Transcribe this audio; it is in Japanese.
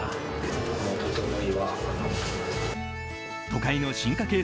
都会の進化系